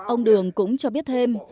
ông đường cũng cho biết thêm